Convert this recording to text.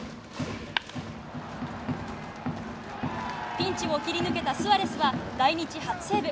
ピンチを切り抜けたスアレスは来日初セーブ。